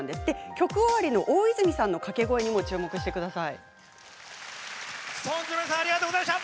曲終わりの大泉さんの掛け声にも注目です。